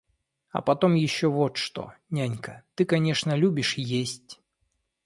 А потом ещё вот что, нянька, ты конечно любишь есть.